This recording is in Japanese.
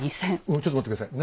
ちょっと待って下さい。